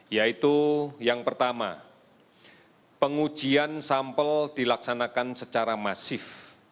yaitu yang pertama pengujian sampel dilaksanakan secara masif